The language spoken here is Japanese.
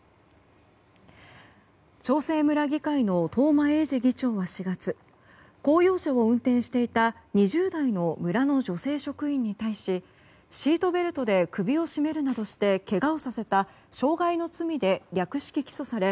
長生村議会の東間永次議長は４月公用車を運転していた２０代の村の女性職員に対しシートベルトで首を絞めるなどしてけがをさせた傷害の罪で略式起訴され